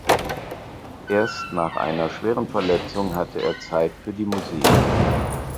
Erst nach einer schweren Verletzung hatte er Zeit für die Musik.